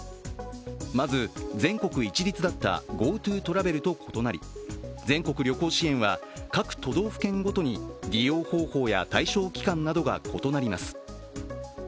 まず、全国一律だったＧｏＴｏトラベルと異なり、全国旅行支援は各都道府県ごとに利用方法や対象期間などが異なります。